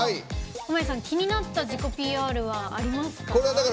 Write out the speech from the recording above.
濱家さん気になった自己ＰＲはありますか？